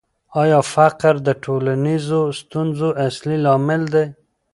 آیا فقر د ټولنیزو ستونزو اصلي لامل دی؟